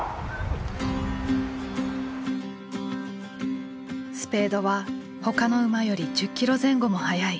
スペードは他の馬より１０キロ前後も速い時速５１キロ。